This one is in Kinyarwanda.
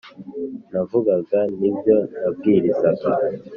Navugaga n ibyo nabwirizaga